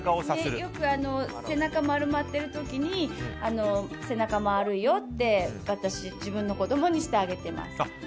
よく背中丸まってる時に背中丸いよって自分の子供にしてあげています。